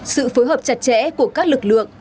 sự phối hợp chặt chẽ của các lực lượng